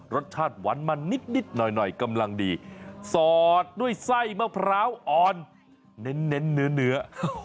รสชาติหวานมันนิดหน่อยกำลังดีสอดด้วยไส้มะพร้าวอ่อนเน้นเนื้อ